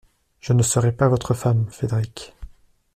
Je ne serai pas votre femme, Frédéric.